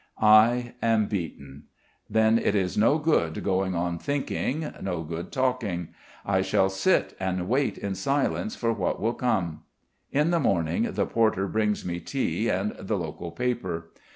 I am beaten. Then it's no good going on thinking, no good talking. I shall sit and wait in silence for what will come. In the morning the porter brings me tea and the local paper.